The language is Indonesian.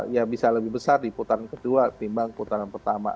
ya bisa lebih besar di putaran kedua timbang putaran pertama